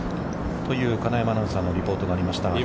という金山アナウンサーのリポートがありました。